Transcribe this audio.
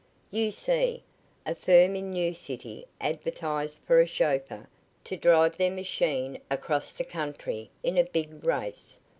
You see, a firm in New City advertised for a chauffeur to drive their machine across the country in a big race.